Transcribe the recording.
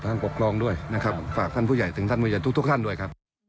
ปกครองด้วยนะครับฝากท่านผู้ใหญ่ถึงท่านผู้ใหญ่ทุกทุกท่านด้วยครับ